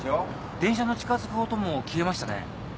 電車の近づく音も消えましたね。